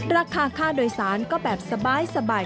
ราคาค่าโดยสารก็แบบสบาย